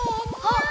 あっ！